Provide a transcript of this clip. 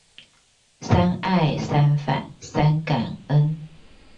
三愛、三反、三感恩